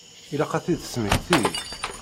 Ilaq ad t-id-tesmekti.